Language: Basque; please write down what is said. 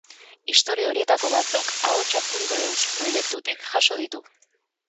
Istorio horietako batzuk ahotsak.eus proiektutik jaso ditu.